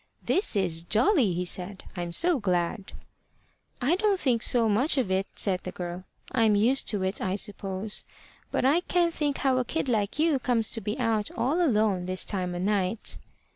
"This is jolly!" he said. "I'm so glad!" "I don't think so much of it," said the girl. "I'm used to it, I suppose. But I can't think how a kid like you comes to be out all alone this time o' night."